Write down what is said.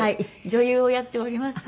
女優をやっております。